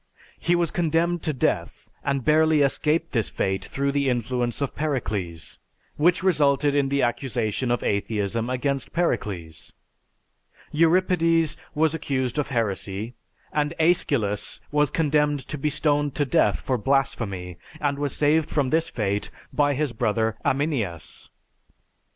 He was condemned to death and barely escaped this fate through the influence of Pericles; which resulted in the accusation of atheism against Pericles. Euripides was accused of heresy, and Aeschylus was condemned to be stoned to death for blasphemy and was saved from this fate by his brother Aminias.